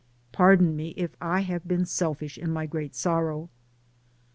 Pardon me if I have been selfish in my great sorrow."